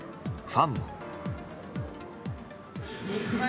ファンも。